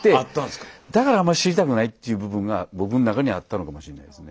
だからあまり知りたくないっていう部分が僕の中にあったのかもしれないですね。